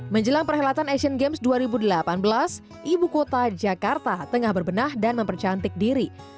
menjelang perhelatan asian games dua ribu delapan belas ibu kota jakarta tengah berbenah dan mempercantik diri